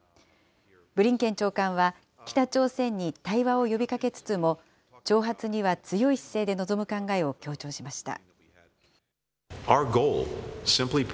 ブリンケン長官は北朝鮮に対話を呼びかけつつも、挑発には強い姿勢で臨む考えを強調しました。